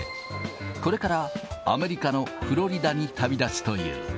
これから、アメリカのフロリダに旅立つという。